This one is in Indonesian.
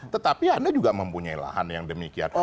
tetapi anda juga mempunyai lahan yang demikian